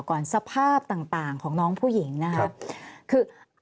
คือ